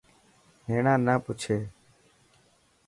هيڻا نه پڇي.